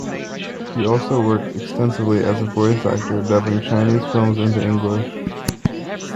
He also worked extensively as a voice actor, dubbing Chinese films into English.